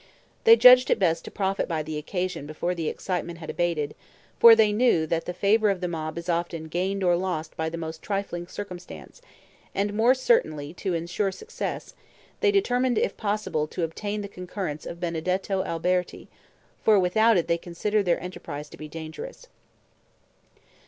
They judged it best to profit by the occasion before the excitement had abated, for they knew that the favor of the mob is often gained or lost by the most trifling circumstance; and more certainly to insure success, they determined, if possible, to obtain the concurrence of Benedetto Alberti, for without it they considered their enterprise to be dangerous.